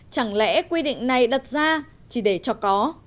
chẳng lẽ quy định này đặt ra chỉ để cho có